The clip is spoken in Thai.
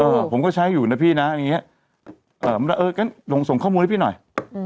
ผมก็ใช้อยู่นะพี่นะอย่างนี้เอองั้นส่งส่งข้อมูลให้พี่หน่อยอืม